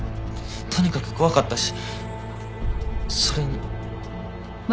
とにかく怖かったしそれに。